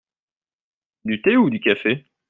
Du thé ou du café ?